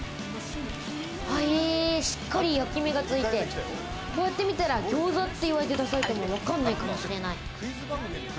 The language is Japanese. しっかり焼き目がついて、こうやって見たら餃子って言われて出されても、わかんないかもしれない。